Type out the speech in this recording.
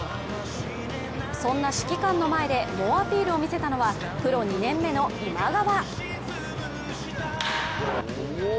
そんな指揮官の前で猛アピールを見せたのはプロ２年目の今川。